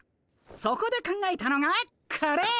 そこで考えたのがこれ。